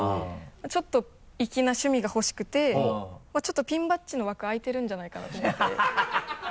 ちょっと粋な趣味がほしくてちょっとピンバッジの枠空いてるんじゃないかなと思ってハハハ